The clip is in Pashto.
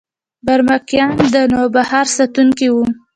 برمکیان د نوبهار ساتونکي وو